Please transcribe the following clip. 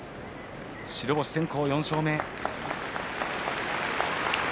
白星先行、４勝目。